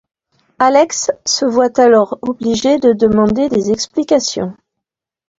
Alex se voit alors obligé de demander des explications.